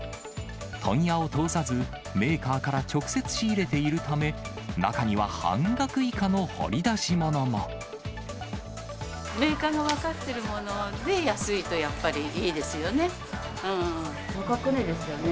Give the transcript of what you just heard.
問屋を通さず、メーカーから直接仕入れているため、中には半額以メーカーが分かっているもので安いとやっぱりいいですよね。